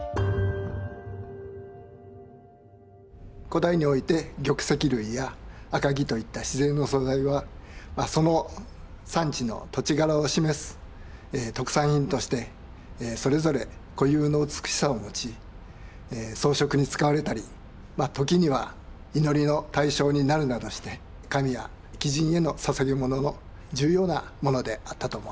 古代において玉石類や赤木といった自然の素材はその産地の土地柄を示す特産品としてそれぞれ固有の美しさを持ち装飾に使われたり時には祈りの対象になるなどして神や貴人への捧げ物の重要なものであったと思われます。